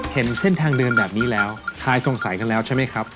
เห็นเส้นทางเดินแบบนี้แล้วคลายสงสัยกันแล้วใช่ไหมครับ